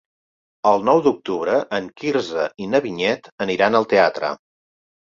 El nou d'octubre en Quirze i na Vinyet aniran al teatre.